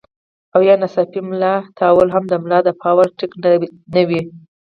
او يا ناڅاپي ملا تاوهل هم د ملا د پاره ټيک نۀ وي